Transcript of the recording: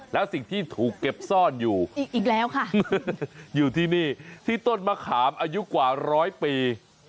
แล้วสิ่งที่ถูกเก็บซ่อนอยู่อีกแล้วค่ะอยู่ที่นี่ที่ต้นมะขามอายุกว่าร้อยปี